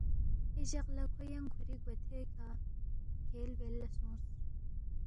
اے جق لہ کھو ینگ کُھوری گوا تھوے کھہ کھیل بیل لہ سونگس